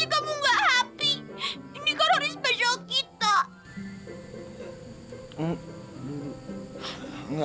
ini kan hari special kita